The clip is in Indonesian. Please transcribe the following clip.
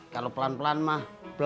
kalau pelan pelan mah